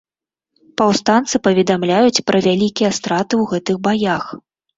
Паўстанцы паведамляюць пра вялікія страты ў гэтых баях.